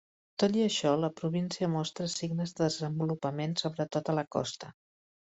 Tot i això, la província mostra signes de desenvolupament, sobretot a la costa.